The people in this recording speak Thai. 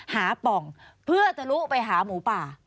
ป่องเพื่อจะลุไปหาหมูป่า